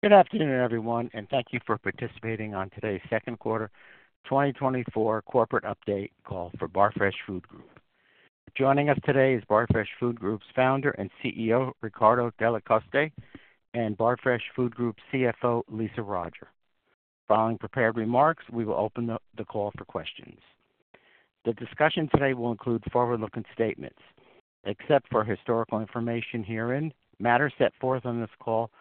Good afternoon, everyone, and thank you for participating on today's second quarter 2024 corporate update call for Barfresh Food Group. Joining us today is Barfresh Food Group's founder and CEO, Riccardo Delle Coste, and Barfresh Food Group's CFO, Lisa Roger. Following prepared remarks, we will open up the call for questions. The discussion today will include forward-looking statements. Except for historical information herein, matters set forth on this call are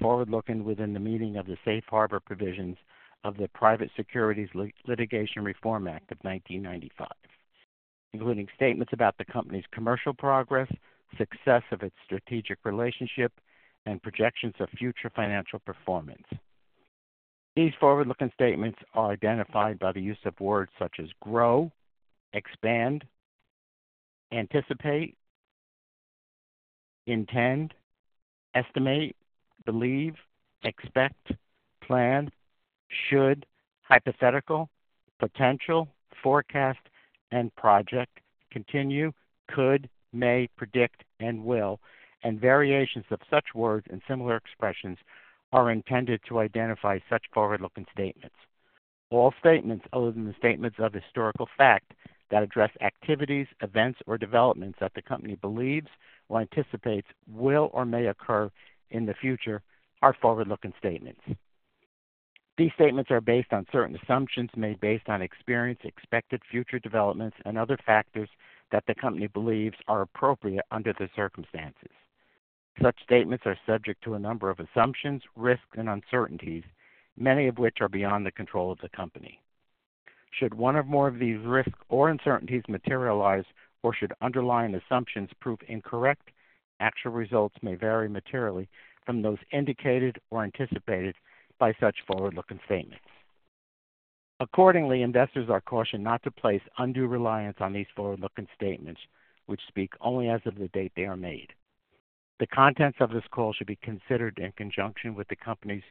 forward-looking within the meaning of the Safe Harbor Provisions of the Private Securities Litigation Reform Act of 1995, including statements about the company's commercial progress, success of its strategic relationship, and projections of future financial performance. These forward-looking statements are identified by the use of words such as grow, expand, anticipate, intend, estimate, believe, expect, plan, should, hypothetical, potential, forecast, and project, continue, could, may, predict, and will, and variations of such words and similar expressions are intended to identify such forward-looking statements. All statements, other than the statements of historical fact, that address activities, events, or developments that the company believes or anticipates will or may occur in the future are forward-looking statements. These statements are based on certain assumptions made based on experience, expected future developments, and other factors that the company believes are appropriate under the circumstances. Such statements are subject to a number of assumptions, risks, and uncertainties, many of which are beyond the control of the company. Should one or more of these risks or uncertainties materialize, or should underlying assumptions prove incorrect, actual results may vary materially from those indicated or anticipated by such forward-looking statements. Accordingly, investors are cautioned not to place undue reliance on these forward-looking statements, which speak only as of the date they are made. The contents of this call should be considered in conjunction with the company's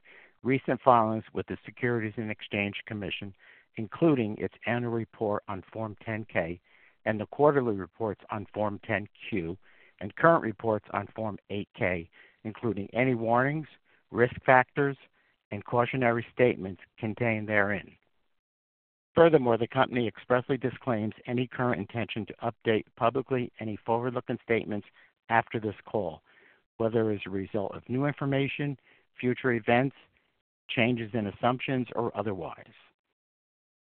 recent filings with the Securities and Exchange Commission, including its annual report on Form 10-K and the quarterly reports on Form 10-Q, and current reports on Form 8-K, including any warnings, risk factors, and cautionary statements contained therein. Furthermore, the company expressly disclaims any current intention to update publicly any forward-looking statements after this call, whether as a result of new information, future events, changes in assumptions, or otherwise.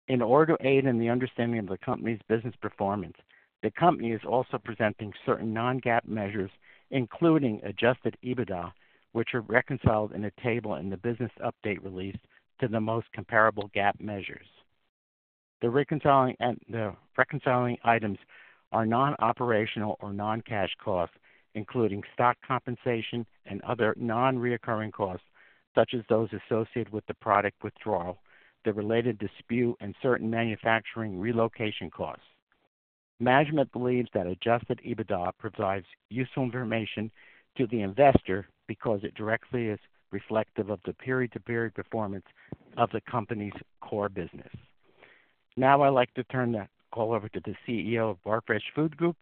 In order to aid in the understanding of the company's business performance, the company is also presenting certain non-GAAP measures, including adjusted EBITDA, which are reconciled in a table in the business update release to the most comparable GAAP measures. The reconciling items are non-operational or non-cash costs, including stock compensation and other non-recurring costs, such as those associated with the product withdrawal, the related dispute, and certain manufacturing relocation costs. Management believes that adjusted EBITDA provides useful information to the investor because it directly is reflective of the period-to-period performance of the company's core business. Now, I'd like to turn the call over to the CEO of Barfresh Food Group,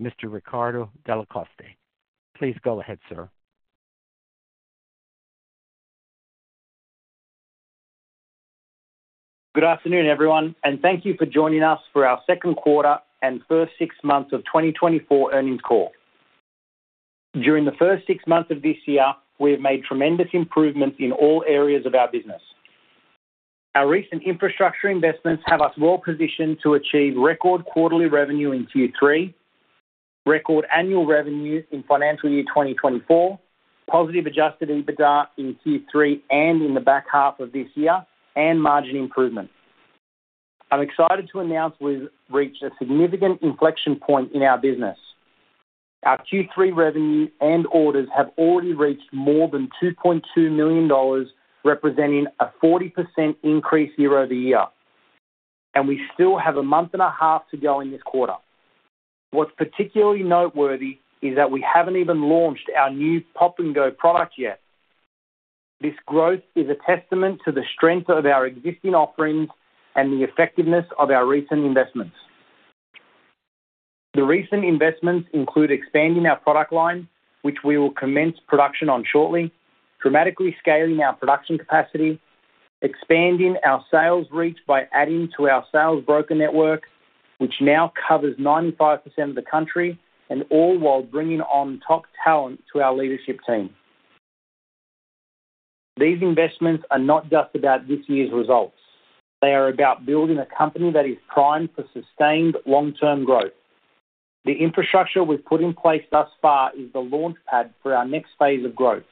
Mr. Riccardo Delle Coste. Please go ahead, sir. Good afternoon, everyone, and thank you for joining us for our second quarter and first six months of 2024 earnings call. During the first six months of this year, we have made tremendous improvements in all areas of our business. Our recent infrastructure investments have us well positioned to achieve record quarterly revenue in Q3, record annual revenue in financial year 2024, positive adjusted EBITDA in Q3 and in the back half of this year, and margin improvements. I'm excited to announce we've reached a significant inflection point in our business. Our Q3 revenue and orders have already reached more than $2.2 million, representing a 40% increase year-over-year, and we still have a month and a half to go in this quarter. What's particularly noteworthy is that we haven't even launched our new Pop & Go product yet. This growth is a testament to the strength of our existing offerings and the effectiveness of our recent investments. The recent investments include expanding our product line, which we will commence production on shortly, dramatically scaling our production capacity, expanding our sales reach by adding to our sales broker network, which now covers 95% of the country, and all while bringing on top talent to our leadership team. These investments are not just about this year's results. They are about building a company that is primed for sustained long-term growth. The infrastructure we've put in place thus far is the launch pad for our next phase of growth.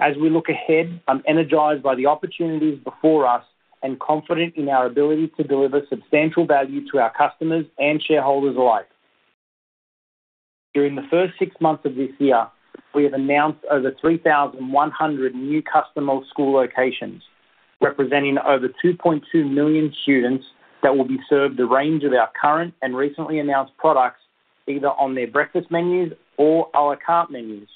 As we look ahead, I'm energized by the opportunities before us and confident in our ability to deliver substantial value to our customers and shareholders alike. During the first six months of this year, we have announced over 3,100 new customer school locations, representing over 2.2 million students that will be served a range of our current and recently announced products, either on their breakfast menus or our cart menus.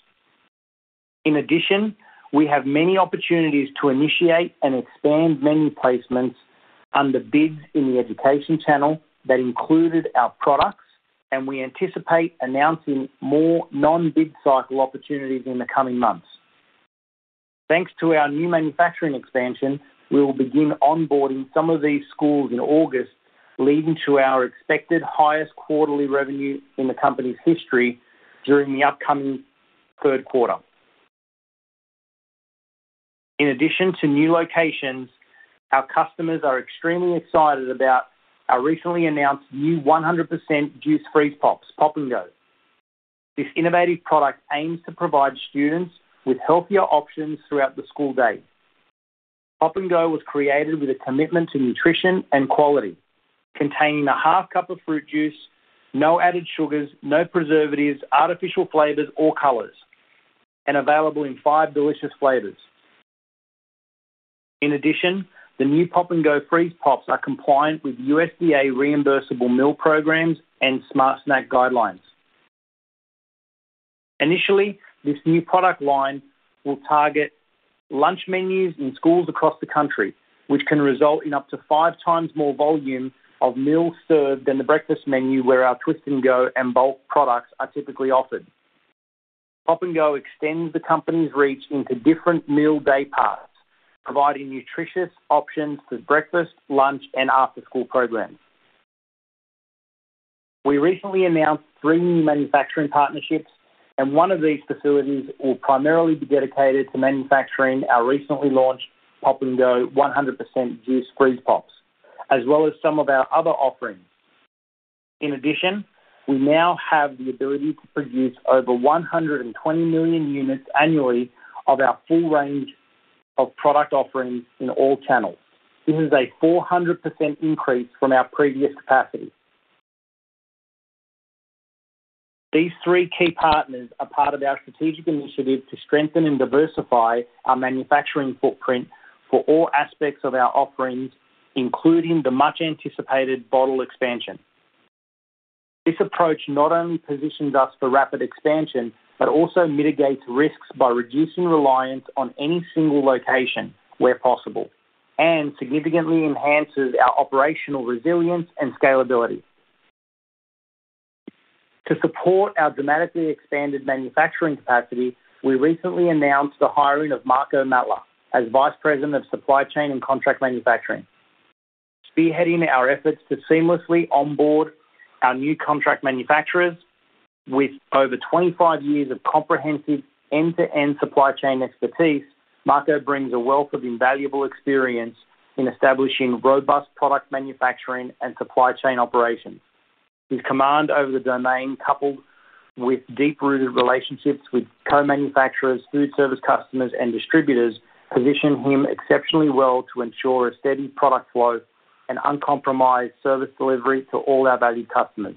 In addition, we have many opportunities to initiate and expand menu placements under bids in the education channel that included our products, and we anticipate announcing more non-bid cycle opportunities in the coming months. Thanks to our new manufacturing expansion, we will begin onboarding some of these schools in August, leading to our expected highest quarterly revenue in the company's history during the upcoming third quarter. In addition to new locations, our customers are extremely excited about our recently announced new 100% juice freeze pops, Pop & Go! This innovative product aims to provide students with healthier options throughout the school day. Pop & Go! was created with a commitment to nutrition and quality, containing a half cup of fruit juice, no added sugars, no preservatives, artificial flavors, or colors, and available in five delicious flavors. In addition, the new Pop & Go! freeze pops are compliant with USDA reimbursable meal programs and Smart Snack guidelines. Initially, this new product line will target lunch menus in schools across the country, which can result in up to five times more volume of meals served than the breakfast menu, where our Twist & Go! and bulk products are typically offered. Pop & Go! extends the company's reach into different meal day parts, providing nutritious options for breakfast, lunch, and after-school programs. We recently announced three new manufacturing partnerships, and one of these facilities will primarily be dedicated to manufacturing our recently launched Pop & Go! 100% juice freeze pops, as well as some of our other offerings. In addition, we now have the ability to produce over 120 million units annually of our full range of product offerings in all channels. This is a 400% increase from our previous capacity. These three key partners are part of our strategic initiative to strengthen and diversify our manufacturing footprint for all aspects of our offerings, including the much-anticipated bottle expansion. This approach not only positions us for rapid expansion, but also mitigates risks by reducing reliance on any single location where possible and significantly enhances our operational resilience and scalability. To support our dramatically expanded manufacturing capacity, we recently announced the hiring of Marco Mettler as Vice President of Supply Chain and Contract Manufacturing, spearheading our efforts to seamlessly onboard our new contract manufacturers. With over 25 years of comprehensive end-to-end supply chain expertise, Marco brings a wealth of invaluable experience in establishing robust product manufacturing and supply chain operations. His command over the domain, coupled with deep-rooted relationships with co-manufacturers, food service customers, and distributors, position him exceptionally well to ensure a steady product flow and uncompromised service delivery to all our valued customers.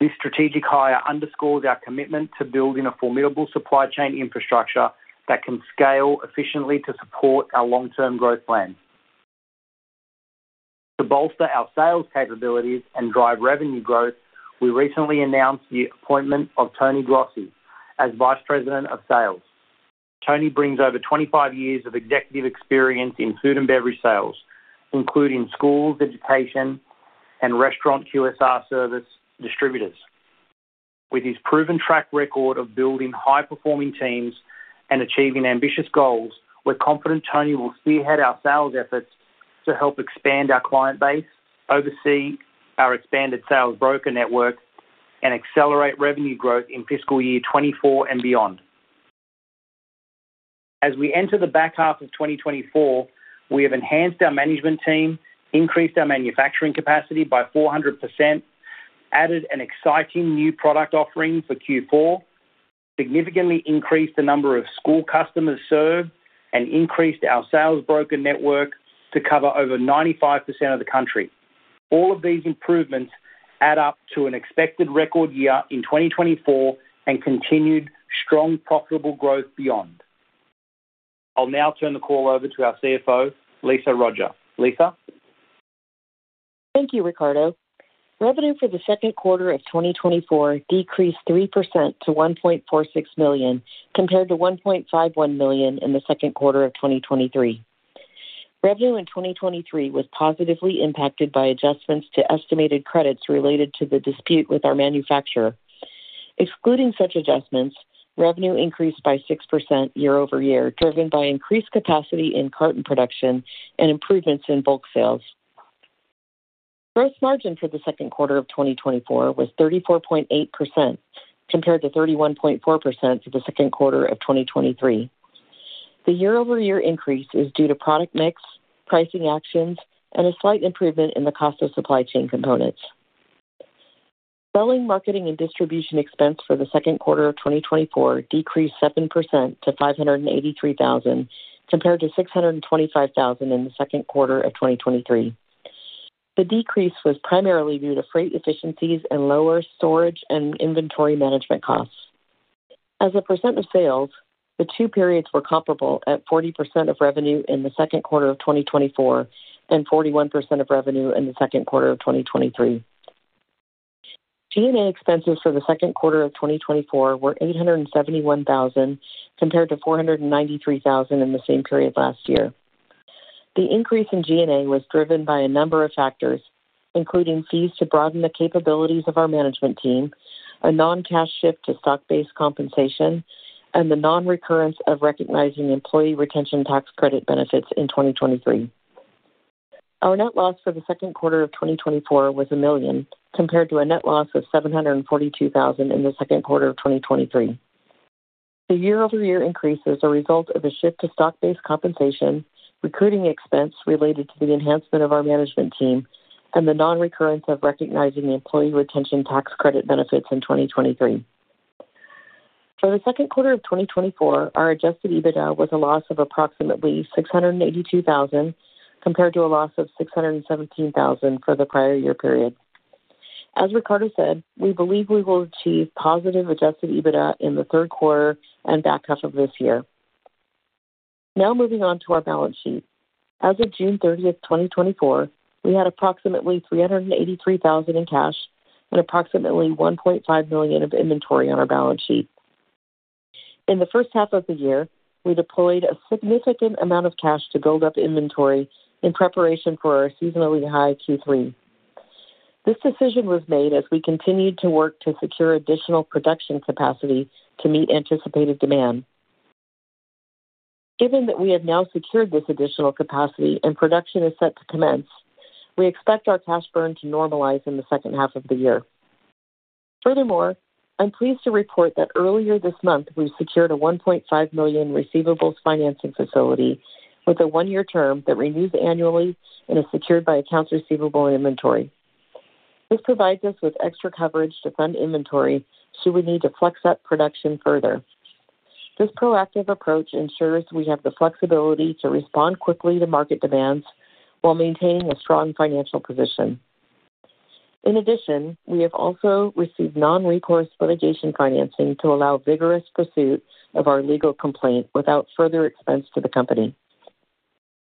This strategic hire underscores our commitment to building a formidable supply chain infrastructure that can scale efficiently to support our long-term growth plans. To bolster our sales capabilities and drive revenue growth, we recently announced the appointment of Tony Grossi as Vice President of Sales. Tony brings over 25 years of executive experience in food and beverage sales, including schools, education, and restaurant QSR service distributors. With his proven track record of building high-performing teams and achieving ambitious goals, we're confident Tony will spearhead our sales efforts to help expand our client base, oversee our expanded sales broker network, and accelerate revenue growth in fiscal year 2024 and beyond. As we enter the back half of 2024, we have enhanced our management team, increased our manufacturing capacity by 400%, added an exciting new product offering for Q4, significantly increased the number of school customers served, and increased our sales broker network to cover over 95% of the country. All of these improvements add up to an expected record year in 2024 and continued strong, profitable growth beyond. I'll now turn the call over to our CFO, Lisa Roger. Lisa? Thank you, Riccardo. Revenue for the second quarter of 2024 decreased 3% to $1.46 million, compared to $1.51 million in the second quarter of 2023. Revenue in 2023 was positively impacted by adjustments to estimated credits related to the dispute with our manufacturer. Excluding such adjustments, revenue increased by 6% year-over-year, driven by increased capacity in carton production and improvements in bulk sales. Gross margin for the second quarter of 2024 was 34.8%, compared to 31.4% for the second quarter of 2023. The year-over-year increase is due to product mix, pricing actions, and a slight improvement in the cost of supply chain components. Selling, marketing, and distribution expense for the second quarter of 2024 decreased 7% to $583,000, compared to $625,000 in the second quarter of 2023. The decrease was primarily due to freight efficiencies and lower storage and inventory management costs. As a percent of sales, the two periods were comparable at 40% of revenue in the second quarter of 2024 and 41% of revenue in the second quarter of 2023.... G&A expenses for the second quarter of 2024 were $871,000, compared to $493,000 in the same period last year. The increase in G&A was driven by a number of factors, including fees to broaden the capabilities of our management team, a non-cash shift to stock-based compensation, and the non-recurrence of recognizing Employee Retention Tax Credit benefits in 2023. Our net loss for the second quarter of 2024 was $1 million, compared to a net loss of $742,000 in the second quarter of 2023. The year-over-year increase is a result of a shift to stock-based compensation, recruiting expense related to the enhancement of our management team, and the non-recurrence of recognizing the Employee Retention Tax Credit benefits in 2023. For the second quarter of 2024, our Adjusted EBITDA was a loss of approximately $682,000, compared to a loss of $617,000 for the prior year period. As Riccardo said, we believe we will achieve positive Adjusted EBITDA in the third quarter and back half of this year. Now moving on to our balance sheet. As of June 30, 2024, we had approximately $383,000 in cash and approximately $1.5 million of inventory on our balance sheet. In the first half of the year, we deployed a significant amount of cash to build up inventory in preparation for our seasonally high Q3. This decision was made as we continued to work to secure additional production capacity to meet anticipated demand. Given that we have now secured this additional capacity and production is set to commence, we expect our cash burn to normalize in the second half of the year. Furthermore, I'm pleased to report that earlier this month, we secured a $1.5 million receivables financing facility with a 1-year term that renews annually and is secured by accounts receivable inventory. This provides us with extra coverage to fund inventory, should we need to flex up production further. This proactive approach ensures we have the flexibility to respond quickly to market demands while maintaining a strong financial position. In addition, we have also received non-recourse litigation financing to allow vigorous pursuit of our legal complaint without further expense to the company.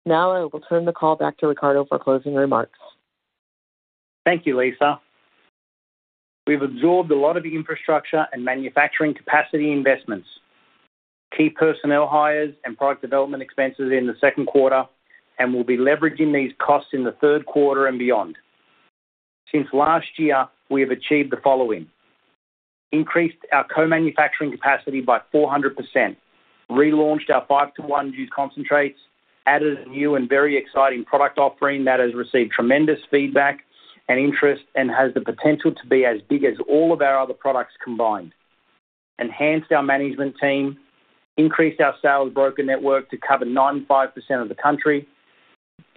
Now, I will turn the call back to Riccardo for closing remarks. Thank you, Lisa. We've absorbed a lot of the infrastructure and manufacturing capacity investments, key personnel hires, and product development expenses in the second quarter, and we'll be leveraging these costs in the third quarter and beyond. Since last year, we have achieved the following: increased our co-manufacturing capacity by 400%, relaunched our 5:1 juice concentrates, added a new and very exciting product offering that has received tremendous feedback and interest and has the potential to be as big as all of our other products combined. Enhanced our management team, increased our sales broker network to cover 95% of the country,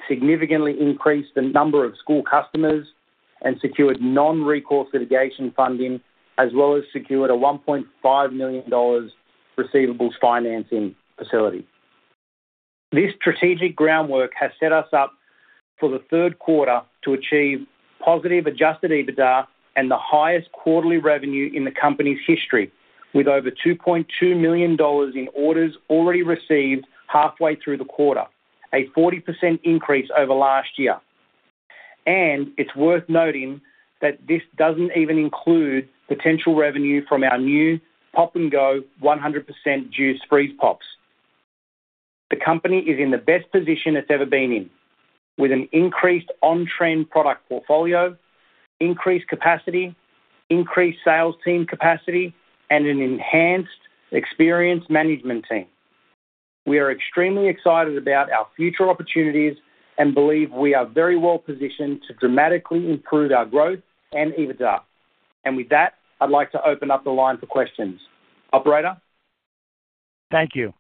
significantly increased the number of school customers, and secured non-recourse litigation funding, as well as secured a $1.5 million receivables financing facility. This strategic groundwork has set us up for the third quarter to achieve positive Adjusted EBITDA and the highest quarterly revenue in the company's history, with over $2.2 million in orders already received halfway through the quarter, a 40% increase over last year. It's worth noting that this doesn't even include potential revenue from our new Pop & Go 100% juice freeze pops. The company is in the best position it's ever been in, with an increased on-trend product portfolio, increased capacity, increased sales team capacity, and an enhanced experienced management team. We are extremely excited about our future opportunities and believe we are very well positioned to dramatically improve our growth and EBITDA. With that, I'd like to open up the line for questions. Operator? Thank you.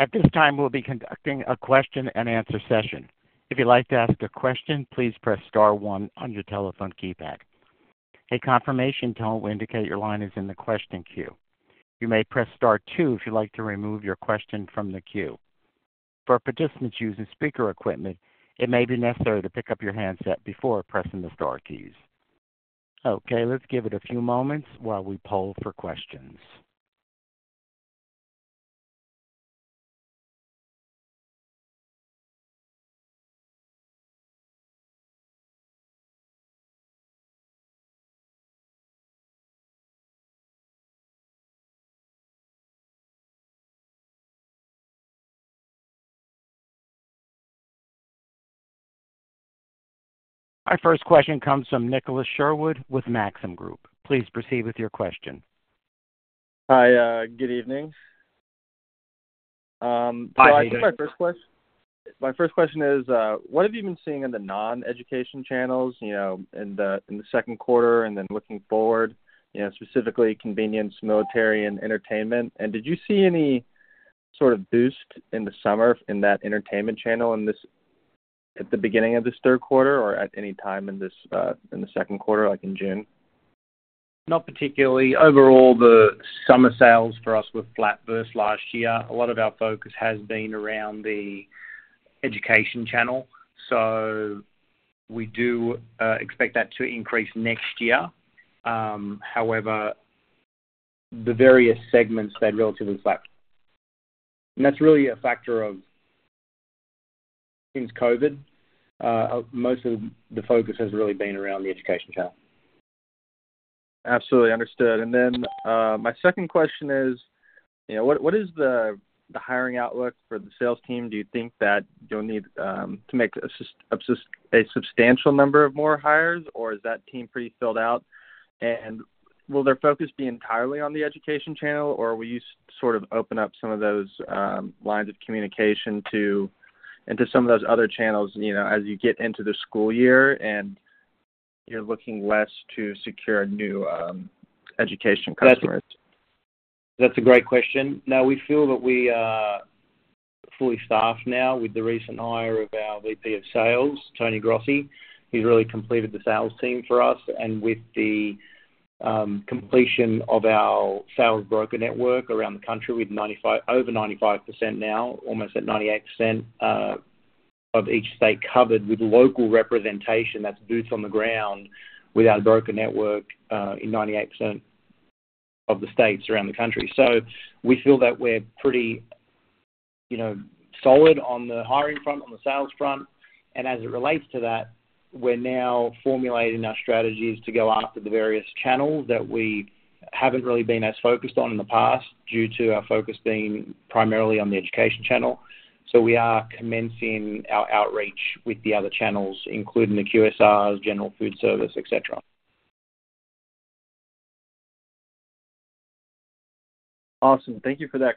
At this time, we'll be conducting a question-and-answer session. If you'd like to ask a question, please press star one on your telephone keypad. A confirmation tone will indicate your line is in the question queue. You may press star two if you'd like to remove your question from the queue. For participants using speaker equipment, it may be necessary to pick up your handset before pressing the star keys. Okay, let's give it a few moments while we poll for questions. Our first question comes from Nicholas Sherwood with Maxim Group. Please proceed with your question. Hi, good evening. Hi, Nicholas. So I think my first question is, what have you been seeing in the non-education channels, you know, in the second quarter, and then looking forward, you know, specifically convenience, military, and entertainment? And did you see any sort of boost in the summer in that entertainment channel, at the beginning of this third quarter or at any time in this second quarter, like in June? Not particularly. Overall, the summer sales for us were flat versus last year. A lot of our focus has been around the education channel, so we do expect that to increase next year. However, the various segments stayed relatively flat, and that's really a factor of since COVID, most of the focus has really been around the education channel. Absolutely understood. And then, my second question is, you know, what is the hiring outlook for the sales team? Do you think that you'll need to make a substantial number of more hires, or is that team pretty filled out? And will their focus be entirely on the education channel, or will you sort of open up some of those lines of communication into some of those other channels, you know, as you get into the school year and you're looking less to secure new education customers? That's a great question. Now, we feel that we are fully staffed now with the recent hire of our VP of Sales, Tony Grossi. He's really completed the sales team for us and with the completion of our sales broker network around the country, with over 95% now, almost at 98%, of each state covered with local representation, that's boots on the ground with our broker network in 98% of the states around the country. So we feel that we're pretty, you know, solid on the hiring front, on the sales front. And as it relates to that, we're now formulating our strategies to go after the various channels that we haven't really been as focused on in the past, due to our focus being primarily on the education channel. We are commencing our outreach with the other channels, including the QSRs, general food service, et cetera. Awesome. Thank you for that clarity.